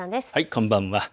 こんばんは。